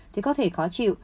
thì có thể khó chịu